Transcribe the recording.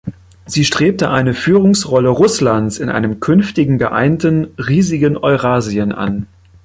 Sie strebte eine Führungsrolle Russlands in einem künftigen geeinten, riesigen Eurasien an.